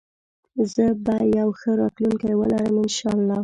زه به يو ښه راتلونکي ولرم انشاالله